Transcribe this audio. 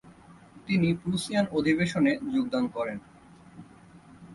তিনি প্রুসিয়ান অধিবেশনএ যোগদান করেন।